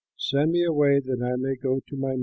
Send me away that I may go to my master."